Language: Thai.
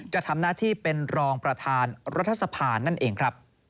จะทำหน้าที่เป็นรองประธานรัฐสภานั่นเองครับ